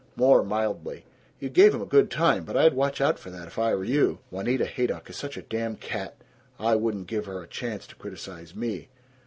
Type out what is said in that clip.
More mildly: "You gave 'em a good time, but I'd watch out for that, 'f I were you. Juanita Haydock is such a damn cat. I wouldn't give her a chance to criticize me."